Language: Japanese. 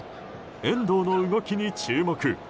遠藤の動きに注目。